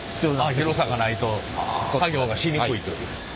広さがないと作業がしにくいという。